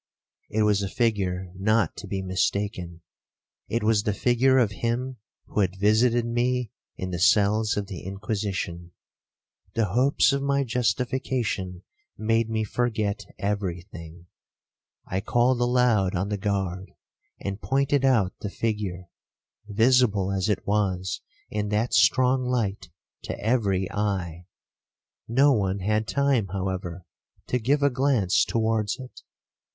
It was a figure not to be mistaken—it was the figure of him who had visited me in the cells of the Inquisition. The hopes of my justification made me forget every thing. I called aloud on the guard, and pointed out the figure, visible as it was in that strong light to every eye. No one had time, however, to give a glance towards it.